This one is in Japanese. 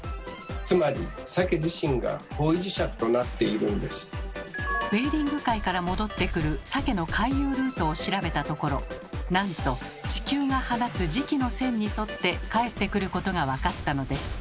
つまりベーリング海から戻ってくるサケの回遊ルートを調べたところなんと地球が放つ磁気の線に沿って帰ってくることが分かったのです。